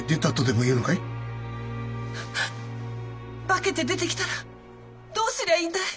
化けて出てきたらどうすりゃいいんだい？